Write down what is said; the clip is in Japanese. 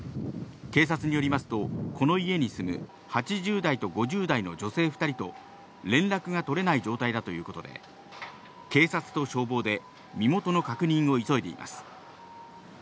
警察によりますと、この家に住む８０代と５０代の女性２人と連絡が取れない状態だということで警察と消防で身元の確認を急いでいます。